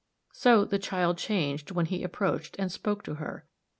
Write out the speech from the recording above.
So the child changed when he approached and spoke to her.